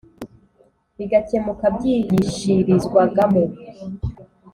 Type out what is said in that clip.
bigakemuka. byigishirizwagamo